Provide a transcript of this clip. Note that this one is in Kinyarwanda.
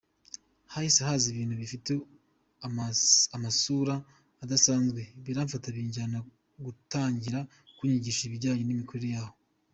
hahise haza ibintu bifite amasura adasanzwe biramfata binjyana gutangira kunyigisha ibijyanye n’imikorere yaho.